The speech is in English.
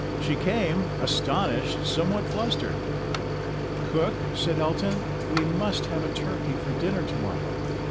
She came, astonished, somewhat flustered. "Cook," said Elton, "we must have a turkey for dinner to morrow."